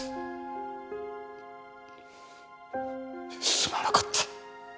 すまなかった。